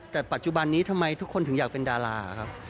แต่ปัจจุบันนี้ทำไมทุกคนถึงอยากเป็นดาราครับ